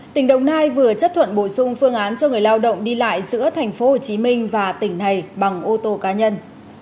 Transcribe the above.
tỉnh đồng nai vừa chấp thuận bổ sung phương án cho người lao động đi lại giữa thành phố hồ chí minh và tỉnh này bằng ô tô cá nhân